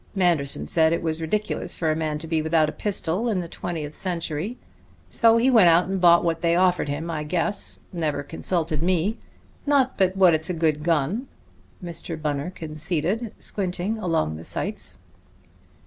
Manderson said it was ridiculous for a man to be without a pistol in the twentieth century. So he went out and bought what they offered him, I guess never consulted me. Not but what it's a good gun," Mr. Bunner conceded, squinting along the sights.